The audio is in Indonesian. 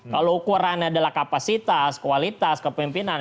kalau ukurannya adalah kapasitas kualitas kepemimpinan